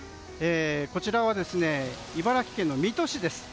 こちらは茨城県の水戸市です。